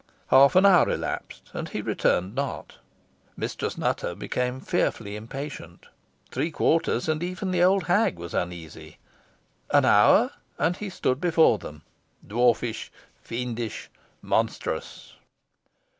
Half an hour elapsed, and he returned not. Mistress Nutter became fearfully impatient. Three quarters, and even the old hag was uneasy. An hour, and he stood before them dwarfish, fiendish, monstrous.